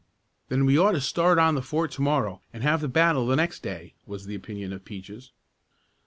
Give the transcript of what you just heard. "Then we ought to start on the fort to morrow and have the battle the next day," was the opinion of Peaches.